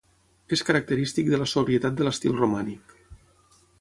És característic de la sobrietat de l'estil romànic.